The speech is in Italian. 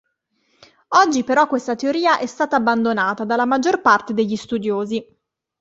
Oggi però questa teoria è stata abbandonata dalla maggior parte degli studiosi.